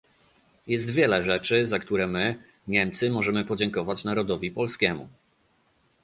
Jest wiele rzeczy, za które my, Niemcy, możemy podziękować narodowi polskiemu